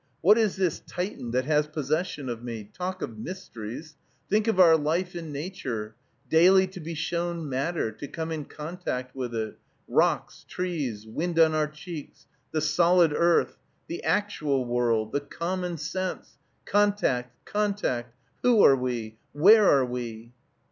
What is this Titan that has possession of me? Talk of mysteries! Think of our life in nature, daily to be shown matter, to come in contact with it, rocks, trees, wind on our cheeks! the solid earth! the actual world! the common sense! Contact! Contact! Who are we? where are we?